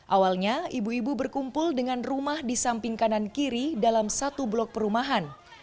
awalnya ibu ibu berkumpul dengan rumah di samping kanan kiri dalam satu blok perumahan